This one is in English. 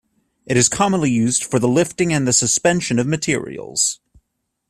It is commonly used for the lifting and the suspension of materials.